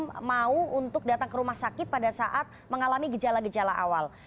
dan masih belum mau untuk datang ke rumah sakit pada saat mengalami gejala gejala awal